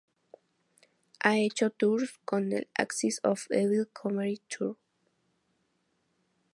Ha hecho tours con el Axis of Evil Comedy Tour.